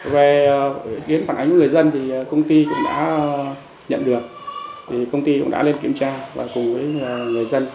về tiến phản ánh của người dân thì công ty cũng đã nhận được công ty cũng đã lên kiểm tra và cùng với người dân